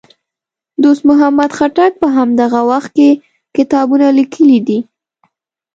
دوست محمد خټک په همدغه وخت کې کتابونه لیکي دي.